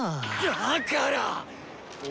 だからっ！